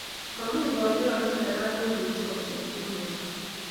mami poyot ne nerat ne imuchi kotiem kiy neuno